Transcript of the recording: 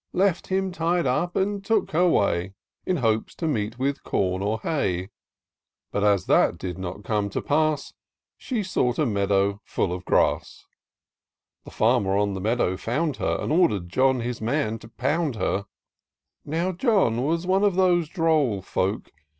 Left him tied up, and took her way, In hopes to meet with com or hay ; But, as that did not come to pass. She sought a meadow fiill of grass : The farmer in the meadow found her. And order'd John, his man, to pound her : Now John was one of those droll folk.